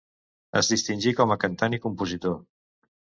Es distingí com a cantant i compositor.